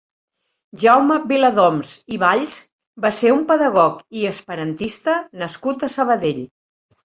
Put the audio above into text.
Jaume Viladoms i Valls va ser un pedagog i esperantista nascut a Sabadell.